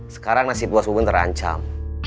sekarang nasib bos bubun terancam